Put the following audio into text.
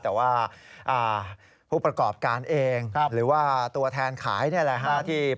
แต่ว่าผู้ประกอบการเองหรือว่าตัวแทนขายนี่แหละฮะ